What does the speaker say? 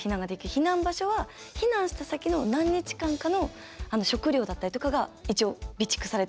避難場所は避難した先の何日間かの食料だったりとかが一応備蓄されてる場所。